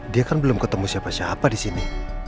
dia kan belum ketemu siapa siapa disini